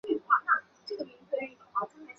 这是亚洲第一次举办国际足联比赛。